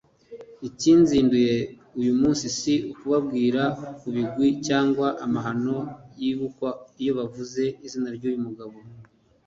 Ikinzinduye uyu munsi, si ukubabwira ku bigwi cyangwa amahano yibukwa iyo bavuze izina ry'uwo mugabo.